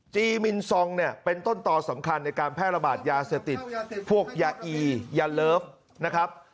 จีนมินซองเนี่ยเป็นต้นต่อสำคัญในการแพร่ระบาดยาเสพติดพวกยาอียาเลิฟนะครับ